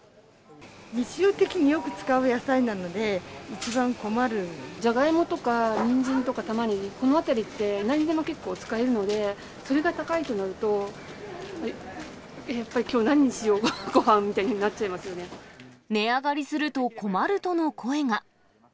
日常的によく使う野菜なので、ジャガイモとか、ニンジンとか、タマネギ、このあたりってなんにでも結構使えるので、それが高いとなると、やっぱりきょう、何にしようか、値上がりすると困るとの声が。